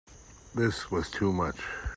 This was too much.